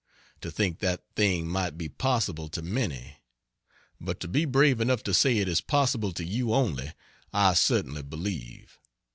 To think that thing might be possible to many; but to be brave enough to say it is possible to you only, I certainly believe.